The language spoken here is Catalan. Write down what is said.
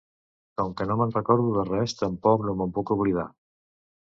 Com que no me'n recordo de res, tampoc no me'n puc oblidar.